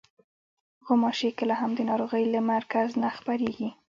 غوماشې کله هم د ناروغۍ له مرکز نه خپرېږي.